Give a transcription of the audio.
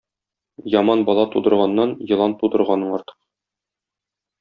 Яман бала тудырганнан елан тудырганың артык.